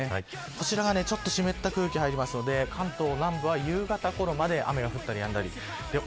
こちら湿った空気が入るので関東南部は夕方ころまで雨が降ったりやんだりです。